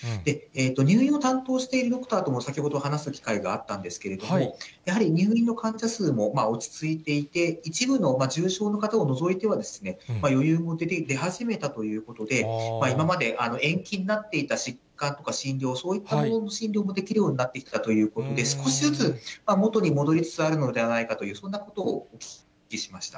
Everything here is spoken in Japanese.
入院を担当しているドクターとも先ほど、話す機会があったんですけれども、やはり入院の患者数も落ち着いていて、一部の重症の方を除いては、余裕も出始めたということで、今まで延期になっていた疾患とか診療、そういったものの診療もできるようになってきたということで、少しずつ、元に戻りつつあるのではないかと、そんなことをお聞きしました。